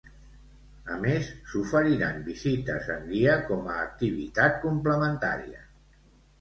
A més, s'oferiran visites amb guia com a activitat complementària.